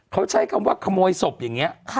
เขาใช้คำว่าขโมยศพอย่างนี้